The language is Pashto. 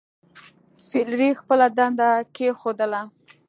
فلیریک خپله ډنډه کیښودله.